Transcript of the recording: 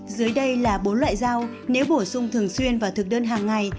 dưới đây là bốn loại rau nếu bổ sung thường xuyên vào thực đơn hàng ngày